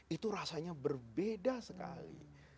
itu rasanya berbeda sekali